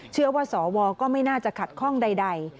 เชื่อว่าสวก็ไม่น่าจะขัดข้องใด